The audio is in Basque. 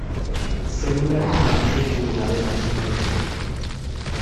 Zelularen barne-ingurua dela esan daiteke.